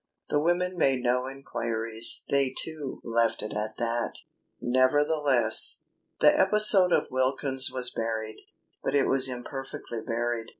The women made no enquiries; they too, left it at that. Nevertheless.... The episode of Wilkins's was buried, but it was imperfectly buried.